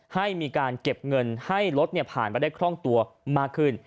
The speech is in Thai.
ให้มีการเก็บเงินให้รถผ่านมาได้คล่องตัวมากขึ้น